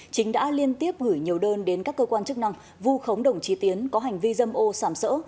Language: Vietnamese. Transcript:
chính đã liên tiếp gửi nhiều đơn đến các cơ quan chức năng vu khống đồng trí tiến có hành vi dâm ô sảm sỡ